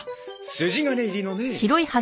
筋金入りのね。